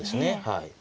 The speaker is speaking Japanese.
はい。